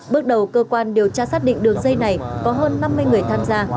bước đầu cơ quan điều tra xác định đường dây này có hơn năm mươi người tham gia